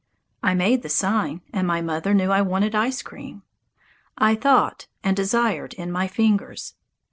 I made the sign, and my mother knew I wanted ice cream. I "thought" and desired in my fingers.